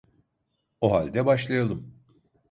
O halde başlayalım.